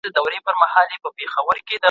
زه هره ورځ د موسیقۍ زده کړه کوم.